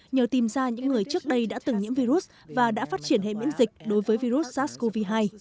nhờ tìm ra những người trước đây đã từng nhiễm virus và đã phát triển hệ miễn dịch đối với virus sars cov hai